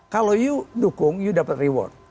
kalau kamu dukung kamu dapat reward